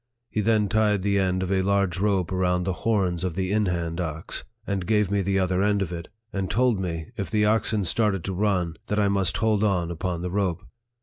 He then tied the end of a large rope around the horns of the in hand ox, and gave me the other end of it, and told me, if the oxen started to run, that I must hold on upon the rope.